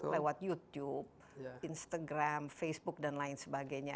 lewat youtube instagram facebook dan lain sebagainya